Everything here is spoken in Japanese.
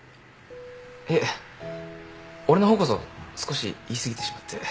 いえ俺の方こそ少し言い過ぎてしまって。